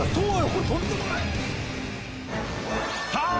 これとんでもないさあ